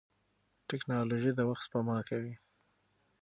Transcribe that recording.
ټکنالوژي د وخت سپما کوي.